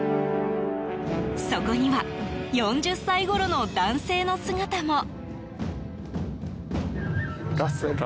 そこには４０歳ごろの男性の姿も。